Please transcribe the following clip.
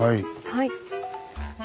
はい。